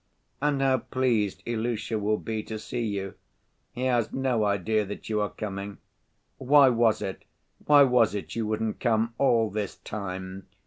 "And how pleased Ilusha will be to see you! He has no idea that you are coming. Why was it, why was it you wouldn't come all this time?"